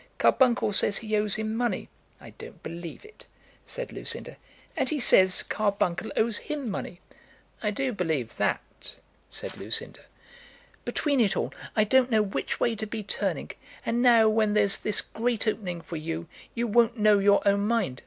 Carbuncle says he owes him money." "I don't believe it," said Lucinda. "And he says Carbuncle owes him money." "I do believe that," said Lucinda. "Between it all, I don't know which way to be turning. And now, when there's this great opening for you, you won't know your own mind."